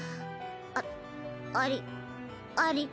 あありあり。